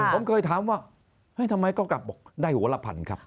ผมเคยถามว่าเฮ้ยทำไมก็กลับบอกได้หัวละพันครับ